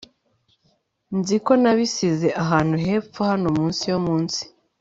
nzi ko nabisize ahantu hepfo hano munsi yo munsi